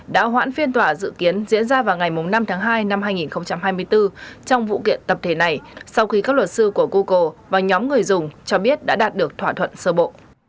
đã hoãn phiên tòa dự kiến diễn ra vào ngày năm tháng hai năm hai nghìn hai mươi bốn trong vụ kiện tập thể này sau khi các luật sư của google và nhóm người dùng cho biết đã đạt được thỏa thuận sơ bộ